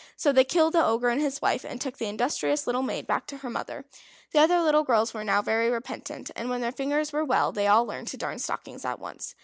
So they killed the Ogre and his wife, and took the industrious little maid back to her mother. The other little girls were now very repentant; and when their fingers were well, they all learned to darn stockings at once.